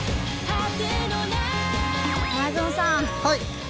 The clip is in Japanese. はい。